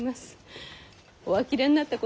おあきれになったことでしょう？